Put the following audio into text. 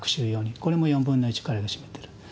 これも４分の１、彼が占めてる。